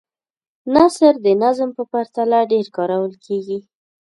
نثر د نظم په پرتله ډېر کارول کیږي.